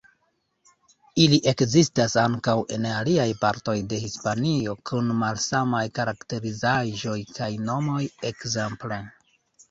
Ili ekzistas ankaŭ en aliaj partoj de Hispanio, kun malsamaj karakterizaĵoj kaj nomoj, ekzemple.